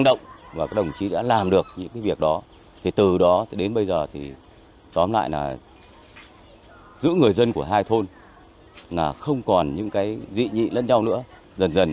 đó không chỉ là ba nút thắt ba mâu thuẫn được tháo gỡ